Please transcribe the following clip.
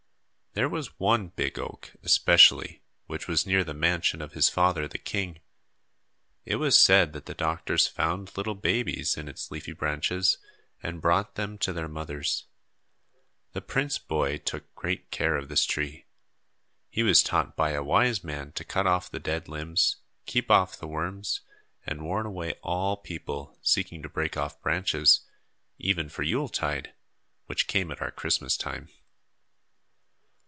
There was one big oak, especially, which was near the mansion of his father, the king. It was said that the doctors found little babies in its leafy branches, and brought them to their mothers. The prince boy took great care of this tree. He was taught by a wise man to cut off the dead limbs, keep off the worms, and warn away all people seeking to break off branches even for Yule tide, which came at our Christmas time.